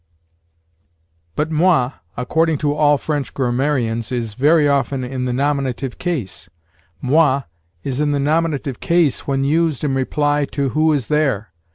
But moi, according to all French grammarians, is very often in the nominative case. Moi is in the nominative case when used in reply to "Who is there?"